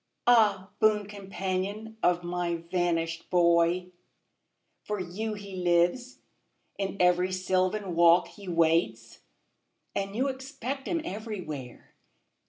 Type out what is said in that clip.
THE FALLEN 379 Ah, boon companion of my vanished boy, For you he lives ; in every sylvan walk He waits ; and you expect him everywhere.